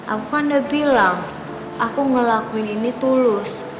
aku kan udah bilang aku ngelakuin ini tulus